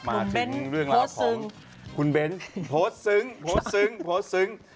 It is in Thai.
มาถึงเรื่องร้านของคุณเบ้นท์โหดซึ้ง